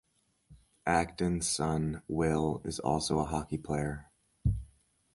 Acton's son, Will, is also a hockey player.